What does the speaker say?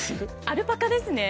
アルパカですね！